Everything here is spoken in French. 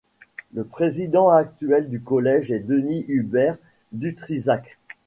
Le président actuel du collège est Denis Hubert-Dutrisac.